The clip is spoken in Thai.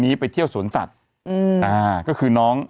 นี่ข่าวมาก่อนแล้วน้อง